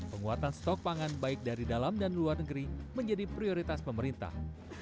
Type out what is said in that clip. penguatan stok pangan baik dari dalam dan luar negeri menjadi prioritas pemerintah